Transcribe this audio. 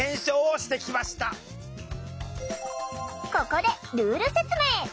ここでルール説明！